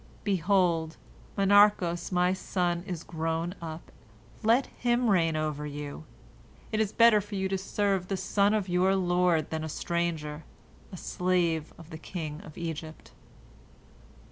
Behold, Monarchos my son is grown up, let him reign over you. It is better for you to serve the son of your lord than a stranger, a slave of the king of Egypt."